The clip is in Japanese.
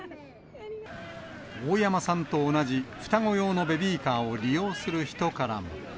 大山さんと同じ、双子用のベビーカーを利用する人からも。